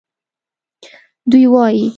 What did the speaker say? دوی وایي